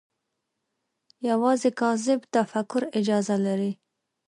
یوازې کاذب تفکر اجازه لري